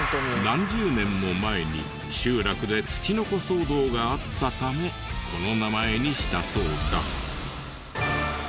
何十年も前に集落でツチノコ騒動があったためこの名前にしたそうだ。